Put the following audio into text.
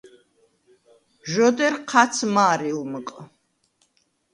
ჟ’ოდერ ჴაც მა̄რილმჷყ.